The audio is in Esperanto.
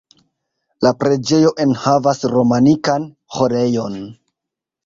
La preĝejo enhavas romanikan Ĥorejon.